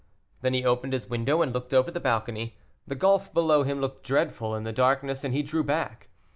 Then he opened his window, and looked over the balcony; the gulf below him looked dreadful in the darkness, and he drew back.